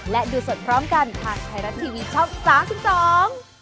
และดูสดพร้อมกันทางไทยรัฐทีวีช่อง๓๒